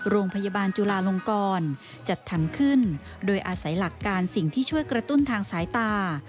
โรงพยาบาลจุลาลงกรจัดทำขึ้นโดยอาศัยหลักการสิ่งที่ช่วยกระตุ้นทางสายตา